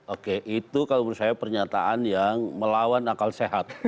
oke itu kalau menurut saya pernyataan yang melawan akal sehat